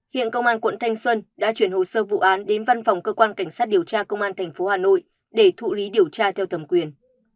hiện công an quận thanh xuân đã chuyển hồ sơ vụ án đến văn phòng cơ quan cảnh sát điều tra công an tp hà nội để thụ lý điều tra theo thẩm quyền